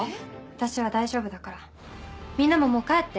私は大丈夫だからみんなももう帰って。